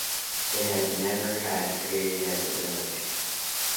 It had never had a period as a village.